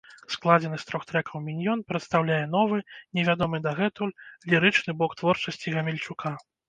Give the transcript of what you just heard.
Складзены з трох трэкаў міньён прадстаўляе новы, невядомы дагэтуль, лірычны бок творчасці гамельчука.